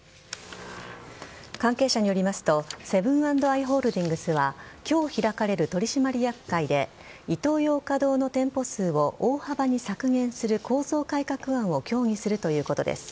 関係者によりますとセブン＆アイ・ホールディングスは今日開かれる取締役会でイトーヨーカ堂の店舗数を大幅に削減する構造改革案を協議するということです。